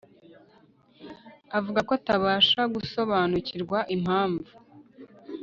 avuga ko atabasha gusobanukirwa impamvu